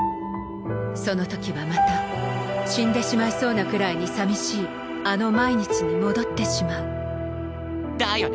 その時はまた死んでしまいそうなくらいに寂しいあの毎日に戻ってしまうだよね！